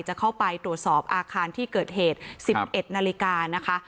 จะเข้าไปตรวจสอบอาคารที่เกิดเหตุ๑๑นาฬิกานะคะ